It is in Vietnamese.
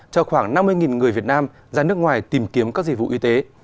cho khoảng năm mươi người việt nam ra nước ngoài tìm kiếm các dịch vụ y tế